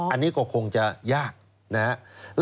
อันนี้ก็คงจะยาก